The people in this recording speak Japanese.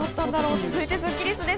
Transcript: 続いてスッキりすです。